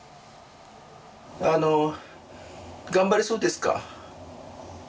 あの頑張れそうですか？